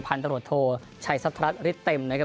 พันตรวจโทชัยสัทรฤทธิเต็มนะครับ